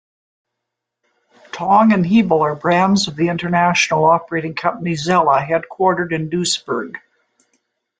Ytong and Hebel are brands of the international operating company Xella headquartered in Duisburg.